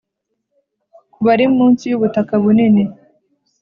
ku bari munsi yubutaka bunini